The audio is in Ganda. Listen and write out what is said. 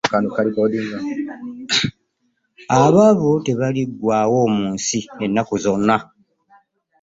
Abaavu tebaliggwaawo mu nsi ennaku zonna.